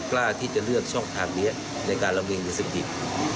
กล้าที่จะเลือกช่องภาพเบี้ยในการระเบียงวิศัพท์ดิบ